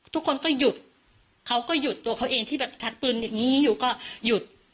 ทุกคนก็หยุดเขาก็หยุดตัวเขาเองที่แบบทักปืนอย่างนี้อยู่ก็หยุด